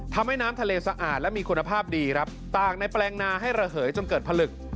ทำให้น้ำทะเลสะอาดและมีคุณภาพดีครับตากในแปลงนาให้ระเหยจนเกิดผลึก